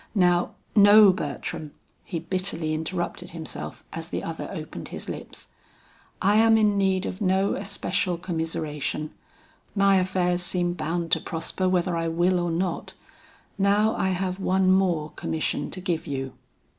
Now No, Bertram," he bitterly interrupted himself as the other opened his lips, "I am in need of no especial commiseration, my affairs seem bound to prosper whether I will or not now I have one more commission to give you.